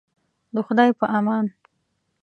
د خدای په امان.